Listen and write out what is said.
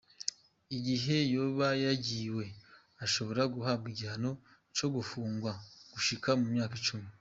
Igihe yoba yagiwe, ashobora guhabwa igihano co gupfungwa gushika ku myaka cumi.